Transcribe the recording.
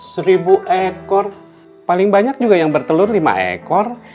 seribu ekor paling banyak juga yang bertelur lima ekor